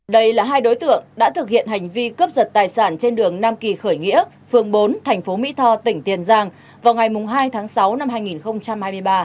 đây là hai đối tượng đã thực hiện hành vi cướp giật tài sản trên đường nam kỳ khởi nghĩa phường bốn thành phố mỹ tho tỉnh tiền giang vào ngày hai tháng sáu năm hai nghìn hai mươi ba